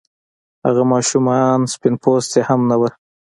هغه ماشومه آن سپين پوستې هم نه وه.